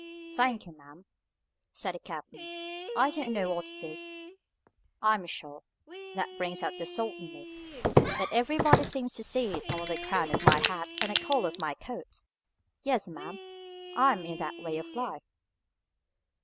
"Thank'ee, ma'am," said the captain, "I don't know what it is, I am sure; that brings out the salt in me, but everybody seems to see it on the crown of my hat and the collar of my coat. Yes, ma'am, I am in that way of life."